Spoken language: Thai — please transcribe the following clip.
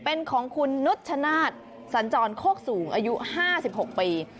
เป็นของคุณนุชชะนาดสัญจรโคกสูงอายุห้าสิบหกปี